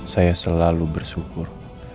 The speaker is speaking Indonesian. saya selalu bersyukur